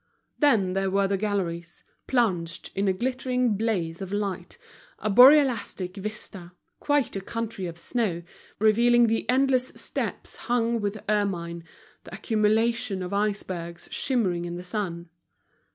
Then there were the galleries, plunged in a glittering blaze of light, a borealistic vista, quite a country of snow, revealing the endless steppes hung with ermine, the accumulation of icebergs shimmering in the sun.